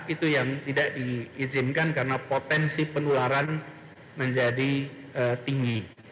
itu yang tidak diizinkan karena potensi penularan menjadi tinggi